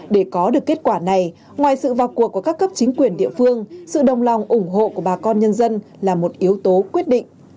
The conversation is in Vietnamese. để có được kết quả này ngoài sự vào cuộc của các cấp chính quyền địa phương sự đồng lòng ủng hộ của bà con nhân dân là một yếu tố quyết định